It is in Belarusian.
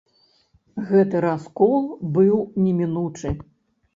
Гэты раскол быў немінучы.